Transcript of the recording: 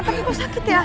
tapi lu sakit ya